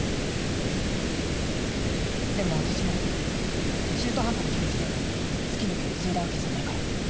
でも私も中途半端な気持ちで月乃家を継いだわけじゃないから。